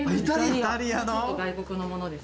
外国のものです。